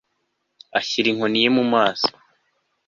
ashyira inkoni ye mu mazi